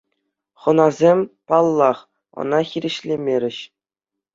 Хӑнасем, паллах, ӑна хирӗҫлемерӗҫ.